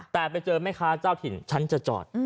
แต่ไปเจอแม่ค้าเจ้าถิ่นฉันจะจอด